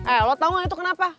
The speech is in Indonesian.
eh lo tau an itu kenapa